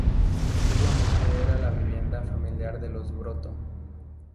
Antiguamente era la vivienda familiar de los Broto.